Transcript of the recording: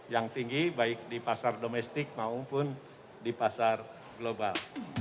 yang tinggi baik di pasar domestik maupun di pasar global